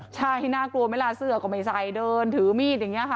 ใช่น่ากลัวไหมล่ะเสื้อก็ไม่ใส่เดินถือมีดอย่างนี้ค่ะ